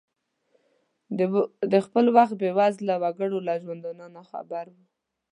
د خپل وخت د بې وزلو وګړو له ژوندانه ناخبره نه ؤ.